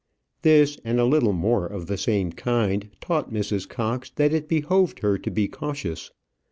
This, and a little more of the same kind, taught Mrs. Cox that it behoved her to be cautious.